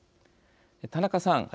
田中さん